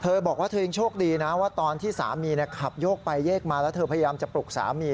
บอกว่าเธอยังโชคดีนะว่าตอนที่สามีขับโยกไปโยกมาแล้วเธอพยายามจะปลุกสามี